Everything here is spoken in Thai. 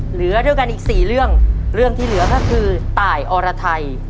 เหลือด้วยกันอีกสี่เรื่องเรื่องที่เหลือก็คือตายอรไทย